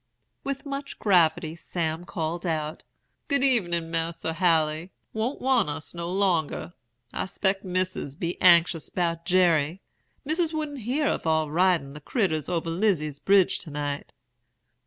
"With much gravity Sam called out: 'Good evening, Mas'r Haley. Won't want us no longer. I 'spect Missis be anxious 'bout Jerry. Missis wouldn't hear of our ridin' the critturs over Lizy's bridge to night.'